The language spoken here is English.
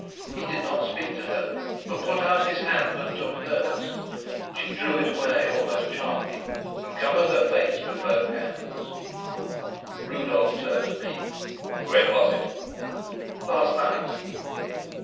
He did not speak to her, but put out his hand and took hers. She drew it away almost sharply, and covered her face with both hands. Rudolf turned to me. "When was it?" "Last night."